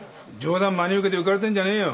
冗談真に受けて浮かれてんじゃねえよ。